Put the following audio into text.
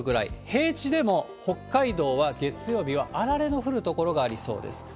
平地でも北海道は月曜日はあられの降る所がありそうです。